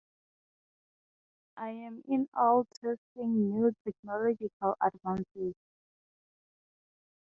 I am in awe testing new technological advances.